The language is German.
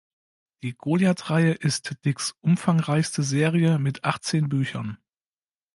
Die Goliath-Reihe ist Dicks umfangreichste Serie mit achtzehn Büchern.